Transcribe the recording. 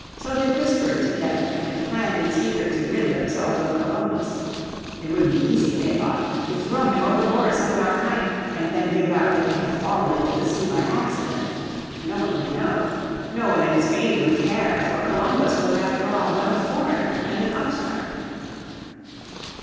So they whispered together and planned in secret to rid themselves of Columbus. It would be easy, they thought, to throw him overboard some dark night, and then give out that he had fallen into the sea by accident. No one would know. No one in Spain would care, for Columbus was after all but a foreigner and an upstart.